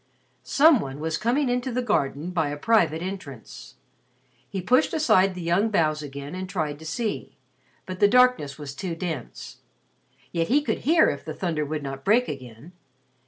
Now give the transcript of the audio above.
Some one was coming into the garden by a private entrance. He pushed aside the young boughs again and tried to see, but the darkness was too dense. Yet he could hear if the thunder would not break again.